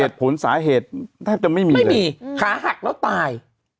เท่าที่จะไม่มีเลยไม่มีขาหักแล้วตาย